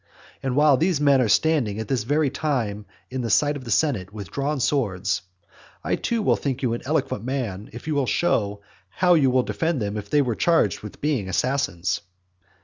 And while these men are standing at this very time in the sight of the senate with drawn swords, I too will think you an eloquent man if you will show how you would defend them if they were charged with being assassins.